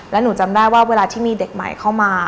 และหนูจำได้ว่าเวลาที่มีเด็กใหม่เข้ามา